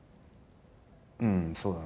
うんそうだな